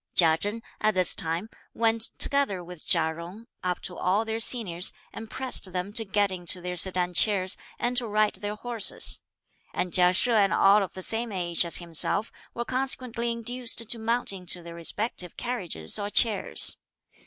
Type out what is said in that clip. Chia Chen, at this time, went, together with Chia Jung, up to all their seniors, and pressed them to get into their sedan chairs, and to ride their horses; and Chia She and all of the same age as himself were consequently induced to mount into their respective carriages or chairs.